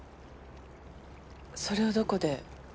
それをどこで？